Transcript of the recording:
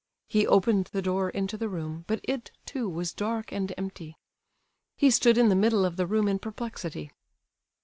He opened the door into the room, but it, too, was dark and empty. He stood in the middle of the room in perplexity.